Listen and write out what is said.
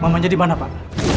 mamanya dimana pak